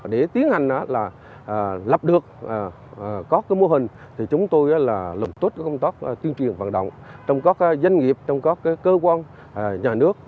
để tiến hành lập được mô hình để lập tốt công tác tiên truyền vận động trong các doanh nghiệp cơ quan nhà nước